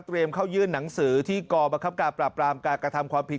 เตรียมเข้ายื่นหนังสือที่ก่อบัครับการปรับปรามการการทำความผิด